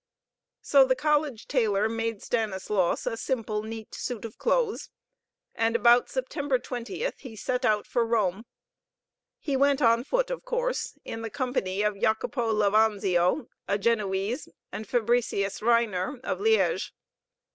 So the college tailor made Stanislaus a simple, neat suit of clothes. And about September 20th he set out for Rome. He went on foot, of course; in the company of Jacopo Levanzio, a Genoese, and Fabricius Reiner, of Liége.